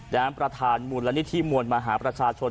ประธานมูลนิธิมวลมหาประชาชน